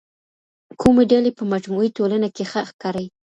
کومې ډلې په مجموعي ټولنه کي ښه ښکاري؟